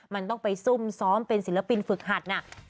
มันต้องไปซุ่มซ้อมเป็นศิลปินฝึกหัดน่ะ